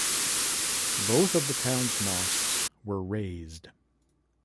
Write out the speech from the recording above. Both of the town's mosques were razed.